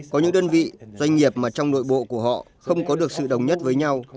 có những đơn vị doanh nghiệp mà trong nội bộ của họ không có được sự đồng nhất với nhau